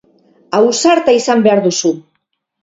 Ausarta izan behar duzu.